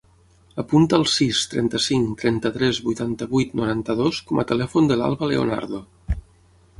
Apunta el sis, trenta-cinc, trenta-tres, vuitanta-vuit, noranta-dos com a telèfon de l'Alba Leonardo.